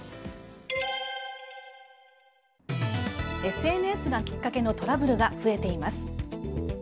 ＳＮＳがきっかけのトラブルが増えています。